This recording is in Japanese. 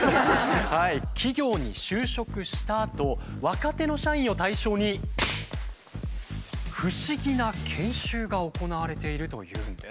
企業に就職したあと若手の社員を対象に不思議な研修が行われているというんです。